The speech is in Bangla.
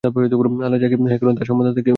আল্লাহ যাকে হেয় করেন তার সম্মানদাতা কেউই নেই।